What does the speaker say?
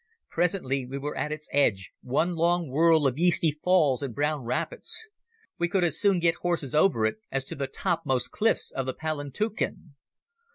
Presently we were at its edge, one long whirl of yeasty falls and brown rapids. We could as soon get horses over it as to the topmost cliffs of the Palantuken.